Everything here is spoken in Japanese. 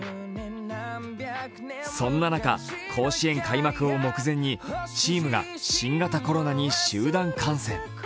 そんな中、甲子園開幕を目前にチームが新型コロナに集団感染。